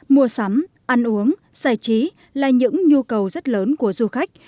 mua sắm ăn uống giải trí là những nhu cầu rất lớn của du khách